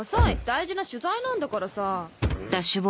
大事な取材なんだからさ。